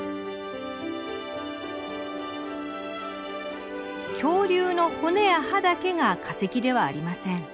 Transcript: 恐竜の骨や歯だけが化石ではありません。